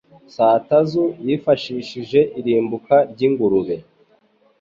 Satazu yifashishije irimbuka ry'ingurube,